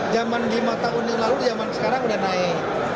zaman lima tahun yang lalu zaman sekarang udah naik